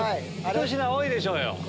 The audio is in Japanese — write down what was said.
１品多いでしょうよ。